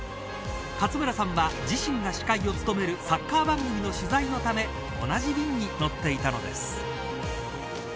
勝村さんは、自身が司会を務めるサッカー番組の取材のため同じ便に乗っていたのです。